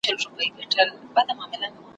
هغوی وویل څښتن چي مو خوشال وي ,